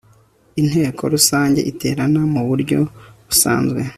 inteko rusange iterana mu buryo busanzwe